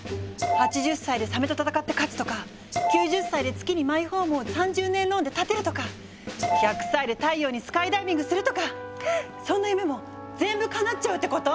８０歳でサメと戦って勝つとか９０歳で月にマイホームを３０年ローンで建てるとか１００歳で太陽にスカイダイビングするとかそんな夢も全部かなっちゃうってこと？